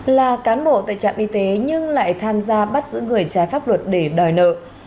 là cán bộ tại trạm y tế nhưng lại tham gia bắt giữ người trái pháp luật để đòi nợ